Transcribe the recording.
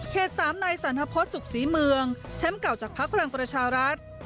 ๓นายสันทพฤษสุขศรีเมืองแชมป์เก่าจากพักพลังประชารัฐ